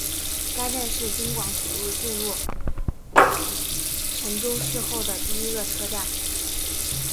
该站是京广铁路进入郴州市后的第一个车站。